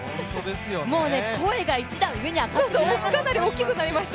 もうね、声が一段上に上がってしまいました。